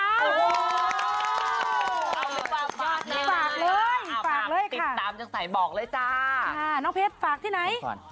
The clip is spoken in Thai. เอาไปฝากฝากเลยค่ะน้องเพชรฝากที่ไหน